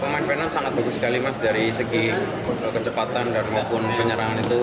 pemain vietnam sangat bagus sekali mas dari segi kecepatan dan maupun penyerangan itu